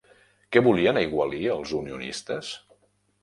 Què volien aigualir els unionistes?